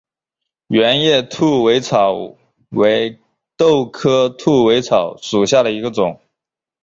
圆叶兔尾草为豆科兔尾草属下的一个种。